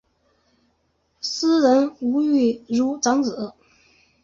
诗人吴玉如长子。